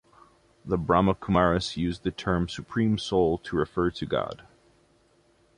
The Brahma Kumaris use the term "Supreme Soul" to refer to God.